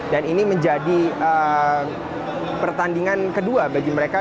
dan ini menjadi pertandingan kedua bagi mereka